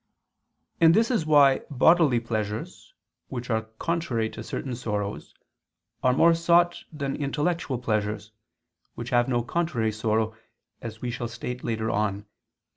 And this is why bodily pleasures, which are contrary to certain sorrows, are more sought than intellectual pleasures, which have no contrary sorrow, as we shall state later on (Q.